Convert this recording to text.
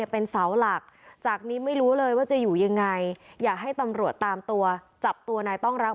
พฤติกรรมโหดเยี่ยมมาก